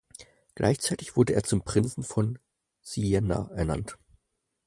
Gleichzeitig wurde er zum Prinzen von Siena ernannt.